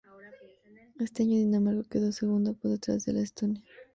Ese año Dinamarca quedó segunda, solo por detrás de Estonia.